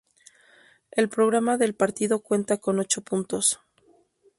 El programa del partido cuenta con ocho puntos.